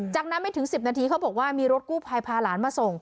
จากนั้นไม่ถึง๑๐นาทีเขาบอกว่ามีรถกู้ภัยพาหลานมาส่ง